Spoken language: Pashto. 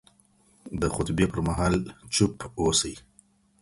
د خطبې پر مهال چوپ اوسئ.